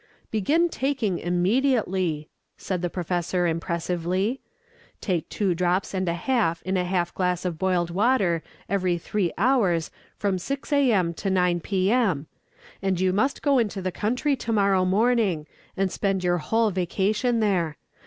"Begin taking immediately," said the doctor impressively. "Take two drops and a half in a half glass of boiled water every three hours from six a. m. to nine p. m. And you must go into the country to morrow morning, and spend your whole vacation there....